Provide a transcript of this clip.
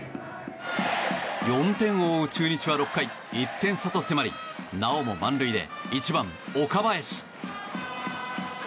４点を追う中日は６回１点差と迫りなおも満塁で１番、岡林。